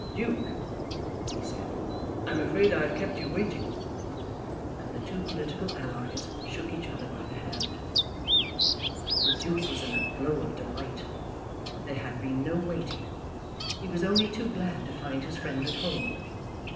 "Duke," he said, "I'm afraid I have kept you waiting." And the two political allies shook each other by the hand. The Duke was in a glow of delight. There had been no waiting. He was only too glad to find his friend at home.